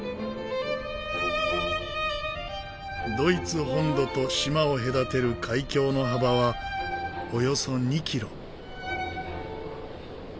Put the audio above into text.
ドイツ本土と島を隔てる海峡の幅はおよそ２キロ。